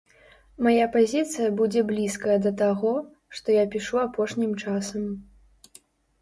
Мая пазіцыя будзе блізкая да таго, што я пішу апошнім часам.